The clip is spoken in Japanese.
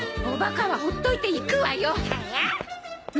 おバカは放っといて行くわよ。